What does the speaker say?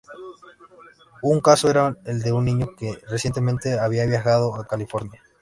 Un caso era el de un niño que recientemente había viajado a California.